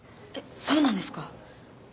えっそうなんですか？